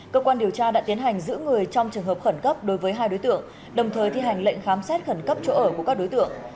cơ quan điều tra đã tiến hành giữ người trong trường hợp khẩn cấp đối với hai đối tượng đồng thời thi hành lệnh khám xét khẩn cấp chỗ ở của các đối tượng